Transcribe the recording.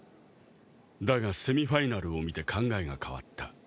だがセミファイナルを見て考えが変わった。